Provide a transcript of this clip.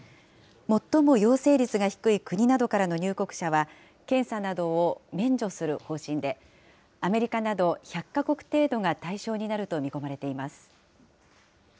最も陽性率が低い国などからの入国者は、検査などを免除する方針で、アメリカなど、１００か国程度が対象になると見込まれています。